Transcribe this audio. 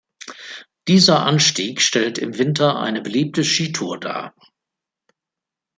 Dieser Anstieg stellt im Winter eine beliebte Skitour dar.